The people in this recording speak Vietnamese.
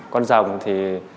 con rồng thì